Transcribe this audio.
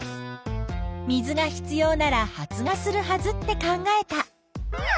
水が必要なら発芽するはずって考えた。